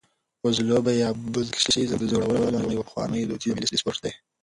وزلوبه یا بزکشي زموږ د زړورو ځوانانو یو پخوانی، دودیز او ملي سپورټ دی.